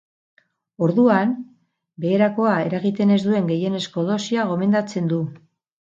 Orduan, beherakoa eragiten ez duen gehienezko dosia gomendatzen du.